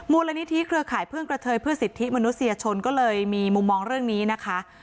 มูลนิธิเครือข่ายเครื่องกระเทยเพื่อสิทธิมนุษยชนก็เลยมีมุมมองเรื่องนี้นะคะ